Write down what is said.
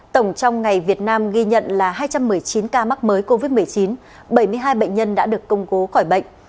tổng trong ngày việt nam ghi nhận là hai trăm một mươi chín ca mắc mới covid một mươi chín bảy mươi hai bệnh nhân đã được công bố khỏi bệnh